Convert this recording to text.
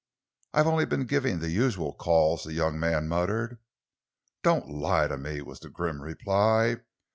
"I've only been giving the usual calls," the young man muttered. "Don't lie to me," was the grim reply.